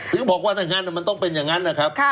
ถึงบอกว่าถ้างั้นมันต้องเป็นอย่างนั้นนะครับ